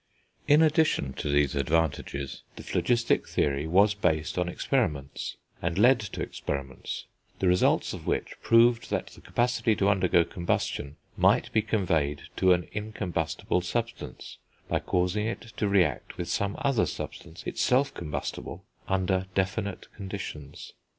In addition to these advantages, the phlogistic theory was based on experiments, and led to experiments, the results of which proved that the capacity to undergo combustion might be conveyed to an incombustible substance, by causing it to react with some other substance, itself combustible, under definite conditions.